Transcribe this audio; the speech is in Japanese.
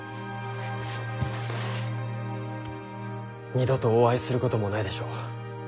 二度とお会いすることもないでしょう。